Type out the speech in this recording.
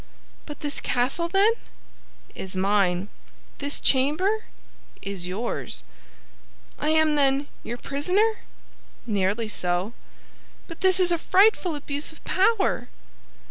"But this castle, then?" "Is mine." "This chamber?" "Is yours." "I am, then, your prisoner?" "Nearly so." "But this is a frightful abuse of power!"